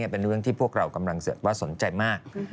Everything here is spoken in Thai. เป็นเรื่องที่พวกเรากำลังว่าสนใจมาก